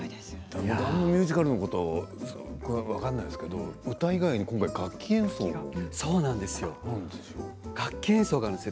あまりミュージカルのこと分からないんですけど歌以外に楽器演奏があるんですね。